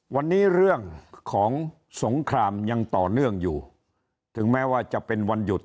วันนี้เรื่องของสงครามยังต่อเนื่องอยู่ถึงแม้ว่าจะเป็นวันหยุด